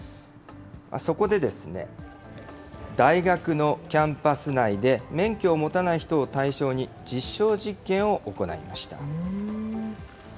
そこで、大学のキャンパス内で、免許を持たない人を対象に実証実験を行いました。